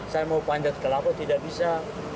saya mau panjat ke lapar tidak bisa